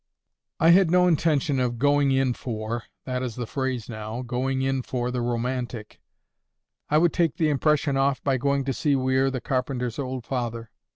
I had no intention of GOING IN FOR—that is the phrase now—going in for the romantic. I would take the impression off by going to see Weir the carpenter's old father.